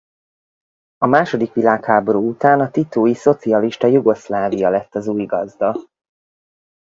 A második világháború után a titói szocialista Jugoszlávia lett az új gazda.